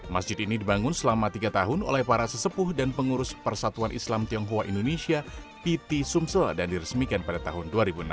masjid ini dibangun selama tiga tahun oleh para sesepuh dan pengurus persatuan islam tionghoa indonesia piti sumsel dan diresmikan pada tahun dua ribu enam